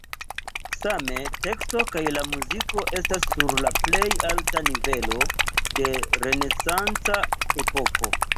Same teksto kaj la muziko estas sur plej alta nivelo de renesanca epoko.